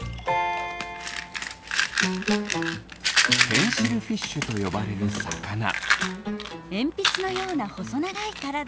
ペンシルフィッシュとよばれるサカナ。